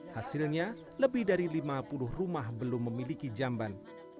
hasilnya lebih dari lima puluh rumah belum memiliki jamban